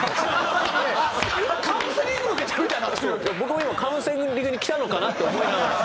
僕も今カウンセリングに来たのかなって思いながら。